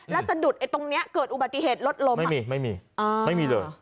แล้วสะดุดไอ้ตรงนี้เกิดอุบัติเหตุรถล้มไม่มีไม่มีเลย